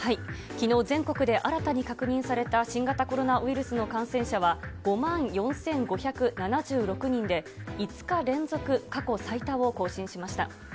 きのう、全国で新たに確認された新型コロナウイルスの感染者は、５万４５７６人で、５日連続過去最多を更新しました。